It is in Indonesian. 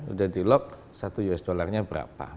udah di lock satu us dollarnya berapa